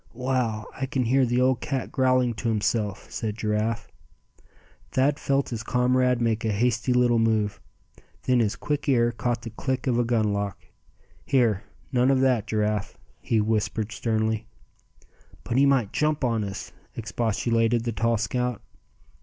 "Wow! I can hear the old cat growling to himself," said Giraffe. Thad felt his comrade make a hasty little move. Then his quick ear caught the click of a gun lock. "Here, none of that, Giraffe," he whispered, sternly. "But he might jump on us!" expostulated the tall scout.